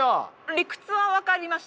理屈は分かりました。